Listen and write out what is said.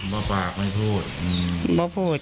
บอกปากไม่พูด